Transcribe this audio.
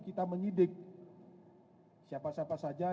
kita menyidik siapa siapa saja